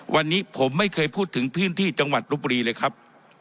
วันนี้ผมไม่เคยพูดถึงพื้นที่จังหวัดลบบุรีเลยครับ